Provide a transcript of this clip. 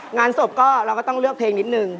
งานศพก็เราก็ต้องเลือกเพลงนิดนึง